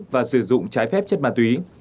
và sử dụng trái phép chất ma túy